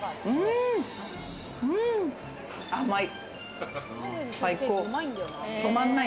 甘い。